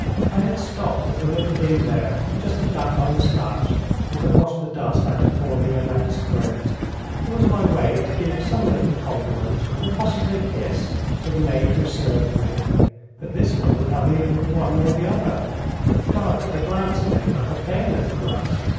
I had stopped at the little inn there just to damp my moustache and to wash the dust out of poor Violette's throat. It was my way to give some little compliment, or possibly a kiss, to the maid who served me; but this one would have neither the one nor the other, but darted a glance at me like a bayonet thrust.